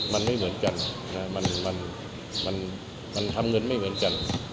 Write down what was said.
มันไม่เหมือนกันมันทำเงินไม่เหมือนกัน